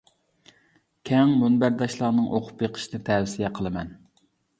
كەڭ مۇنبەرداشلارنىڭ ئوقۇپ بېقىشىنى تەۋسىيە قىلىمەن!